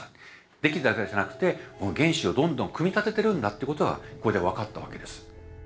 できてたんじゃなくて原子をどんどん組み立ててるんだってことがこれで分かったわけです。